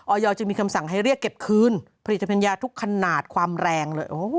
ประโยชน์จึงมีคำสั่งให้เรียกเก็บคืนผลิตจำหน่ายทุกขนาดความแรง